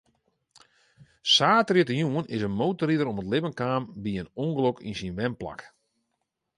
Saterdeitejûn is in motorrider om it libben kaam by in ûngelok yn syn wenplak.